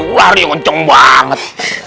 wah dia kenceng banget